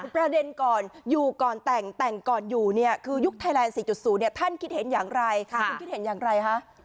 ประเด็นก่อนอยู่ก่อนแต่งแต่งก่อนอยู่เนี่ยคือยุคไทยแลนด์๔๐ท่านคิดเห็นอย่างไรคุณคิดเห็นอย่างไรคะ